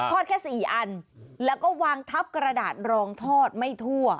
แค่๔อันแล้วก็วางทับกระดาษรองทอดไม่ทั่ว